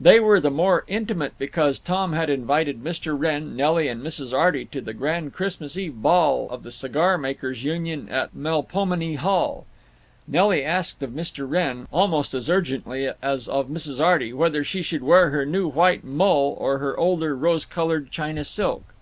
They were the more intimate because Tom had invited Mr. Wrenn, Nelly, and Mrs. Arty to the Grand Christmas Eve Ball of the Cigar Makers' Union at Melpomene Hall. Nelly asked of Mr. Wrenn, almost as urgently as of Mrs. Arty, whether she should wear her new white mull or her older rose colored China silk.